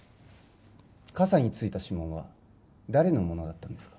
傘についた指紋は誰のものだったんですか？